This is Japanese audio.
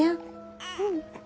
うん。